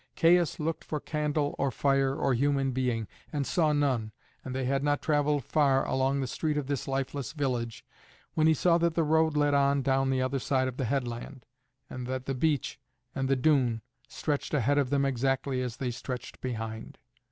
Caius looked for candle, or fire, or human being, and saw none, and they had not travelled far along the street of this lifeless village when he saw that the road led on down the other side of the headland, and that the beach and the dune stretched ahead of them exactly as they stretched behind.